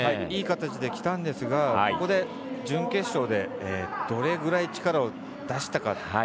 いい形できたんですが準決勝でどれぐらい力を出したか。